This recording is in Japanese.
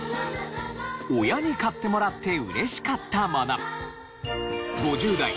親に買ってもらって嬉しかったもの。